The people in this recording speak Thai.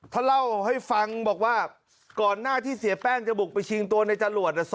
เล่าให้ฟังบอกว่าก่อนหน้าที่เสียแป้งจะบุกไปชิงตัวในจรวด